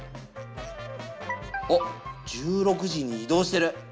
あっ１６時に移動してる。